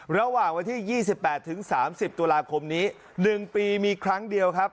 ระหว่างวันที่๒๘๓๐ตุลาคมนี้๑ปีมีครั้งเดียวครับ